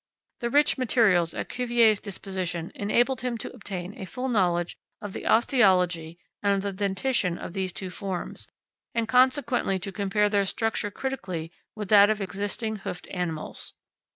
_ The rich materials at Cuvier's disposition enabled him to obtain a full knowledge of the osteology and of the dentition of these two forms, and consequently to compare their structure critically with that of existing hoofed animals.